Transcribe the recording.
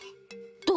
どう？